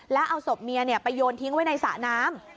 แล้วเอาศพเมียไปโยนทิ้งไว้ในสระน้ำ